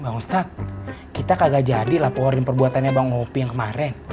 bang ustadz kita kagak jadi laporin perbuatannya bang ngopi yang kemarin